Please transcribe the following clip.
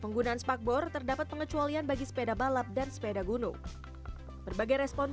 penggunaan spakbor terdapat pengecualian bagi sepeda balap dan sepeda gunung berbagai respon